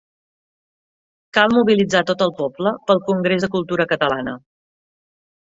Cal mobilitzar tot el poble pel Congrés de Cultura Catalana.